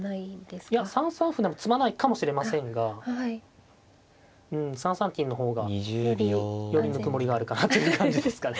いや３三歩なら詰まないかもしれませんが３三金の方がよりぬくもりがあるかなという感じですかね